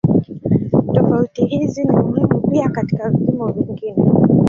Tofauti hizi ni muhimu pia katika vipimo vingine.